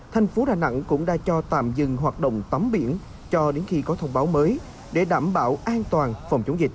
thành phố đà nẵng cũng đã cho tạm dừng hoạt động tắm biển cho đến khi có thông báo mới để đảm bảo an toàn phòng chống dịch